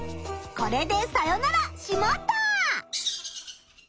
これでさよなら「しまった！」。